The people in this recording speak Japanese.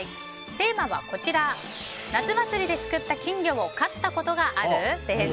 テーマは夏祭りですくった金魚を飼ったことがある？です。